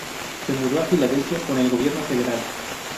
Se mudó a Filadelfia con el Gobierno Federal.